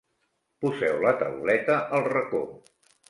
Poseu la tauleta al racó.